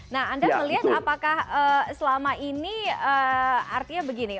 nah anda melihat apakah selama ini artinya begini